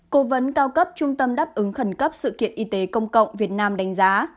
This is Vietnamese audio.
cố vấn cao cấp trung tâm đáp ứng khẩn cấp sự kiện y tế công cộng việt nam đánh giá